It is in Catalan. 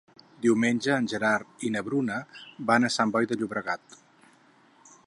Diumenge en Gerard i na Bruna van a Sant Boi de Llobregat.